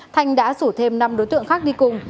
thanh đã rủ thêm năm đối tượng khác đi cùng